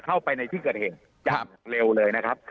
เข้าไปในที่เกิดเหตุอย่างเร็วเลยนะครับ